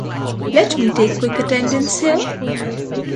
Let me take quick attendance here.